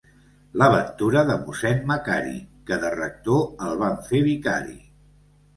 La ventura de mossèn Macari, que de rector el van fer vicari.